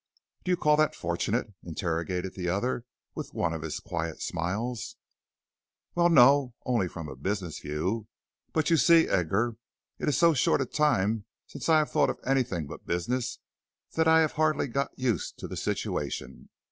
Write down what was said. "Do you call that fortunate?" interrogated the other with one of his quiet smiles. "Well, no, only from a business view. But you see, Edgar, it is so short a time since I have thought of anything but business, that I have hardly got used to the situation.